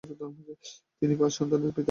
তিনি পাঁচ সন্তানের পিতা।